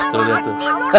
tuh lihat tuh